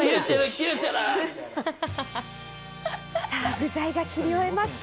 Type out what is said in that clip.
具材を切り終えました。